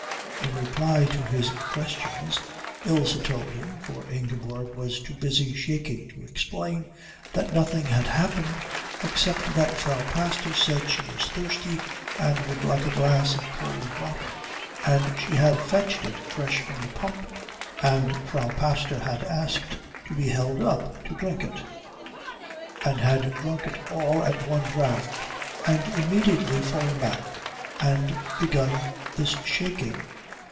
In reply to his questions Ilse told him, for Ingeborg was too busy shaking to explain, that nothing had happened except that Frau Pastor said she was thirsty and would like a glass of cold water, and she had fetched it fresh from the pump and Frau Pastor had asked to be held up to drink it and had drunk it all at one draught and immediately fallen back and begun this shaking.